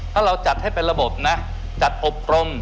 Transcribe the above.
ถ้าเราจัดให้เป็นระบบนะจัดอบรม